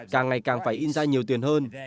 càng ngày càng phải in ra nhiều tiền hơn